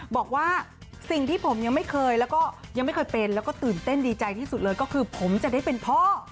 บอกว่าสิ่งที่ผมยังไม่เคยแล้วก็ยังไม่เคยเป็นแล้วก็ตื่นเต้นดีใจที่สุดเลยก็คือผมจะได้เป็นพ่อ